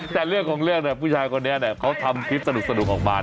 แต่เรื่องของเรื่องเนี่ยผู้ชายคนนี้เขาทำคลิปสนุกออกมา